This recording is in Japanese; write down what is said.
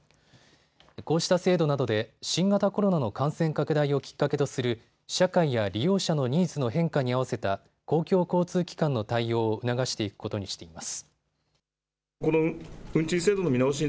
こうした制度などで新型コロナの感染拡大をきっかけとする社会や利用者のニーズの変化に合わせた公共交通機関の対応を促していくことにしています。